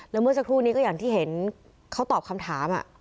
แล้วเมื่อสักครู่นี้ก็อย่างที่เห็นเขาตอบคำถาม